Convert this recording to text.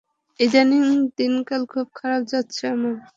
ইদানীং দিনকাল খুব খারাপ যাচ্ছে আমার।